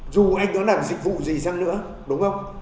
dù anh có làm dịch vụ gì sang nữa đúng không